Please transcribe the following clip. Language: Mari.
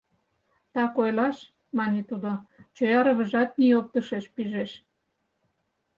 — Так ойлаш, — мане тудо, — чоя рывыжат ний оптышеш пижеш.